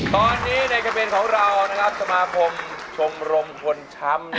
ตอนนี้ในทะเบียนของเรานะครับสมาคมชมรมคนช้ำ